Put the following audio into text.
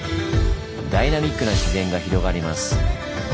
ダイナミックな自然が広がります。